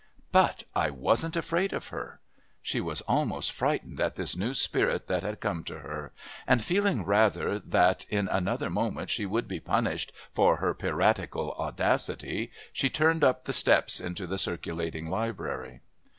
"But I wasn't afraid of her!" She was almost frightened at this new spirit that had come to her, and, feeling rather that in another moment she would be punished for her piratical audacity, she turned up the steps into the Circulating Library.